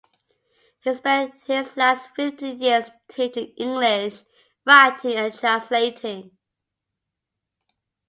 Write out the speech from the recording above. He spent his last fifteen years teaching English, writing and translating.